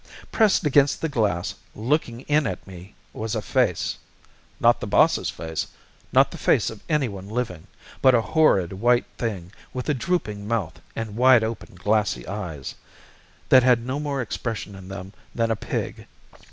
Pressed against the glass, looking in at me, was a face not the boss's face, not the face of anyone living, but a horrid white thing with a drooping mouth and wide open, glassy eyes, that had no more expression in them than a pig.